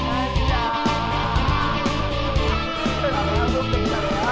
อ้าว